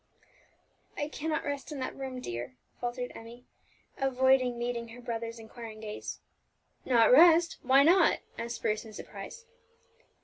"I cannot rest in that room, dear," faltered Emmie, avoiding meeting her brother's inquiring gaze. "Not rest why not?" asked Bruce in surprise.